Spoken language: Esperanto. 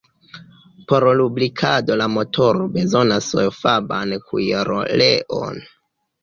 Por lubrikado la motoro bezonas sojfaban kuiroleon.